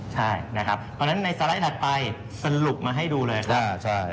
ใช่ตอนนั้นในสไลด์ถัดไปสรุปมาให้ดูเลยครับ